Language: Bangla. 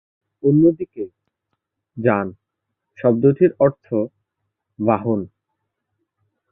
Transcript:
অন্যদিকে ‘যান’ শব্দটির অর্থ ‘বাহন’।